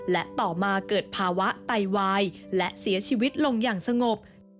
และต่อมาเกิดภาวะไตวายและเสียชีวิตลงอย่างสงบ